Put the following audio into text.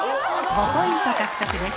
５ポイント獲得です。